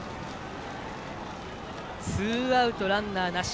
ツーアウト、ランナーなし。